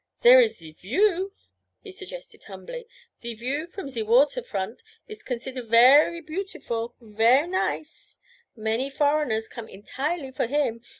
'Zere is ze view,' he suggested humbly. 'Ze view from ze water front is consider ver' beautiful, ver' nice. Many foreigners come entirely for him.